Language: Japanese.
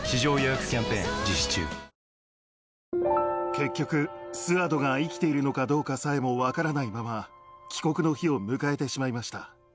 結局スアドが生きているのかどうかさえも分からないまま帰国の日を迎えてしまいました。